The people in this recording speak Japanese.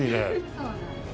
そうなんです。